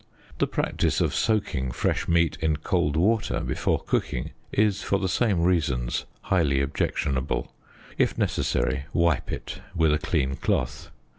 The practice of soaking fresh meat in cold water before cooking is for the same reasons highly objectionable; if necessary, wipe it with a clean cloth.